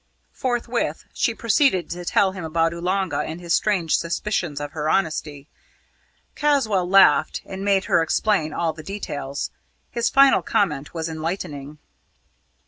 Forthwith she proceeded to tell him about Oolanga and his strange suspicions of her honesty. Caswall laughed and made her explain all the details. His final comment was enlightening.